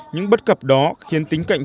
những bất cập đó khiến tính cạnh